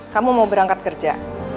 kamu mau berangkat kerja